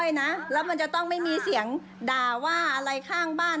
จบนะยายอ้อยนะแล้วมันจะต้องไม่มีเสียงด่าว่าอะไรข้างบ้าน